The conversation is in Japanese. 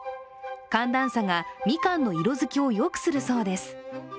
寒暖差がみかんの色づきをよくするそうです。